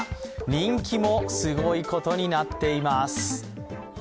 人気もすごいことになっています。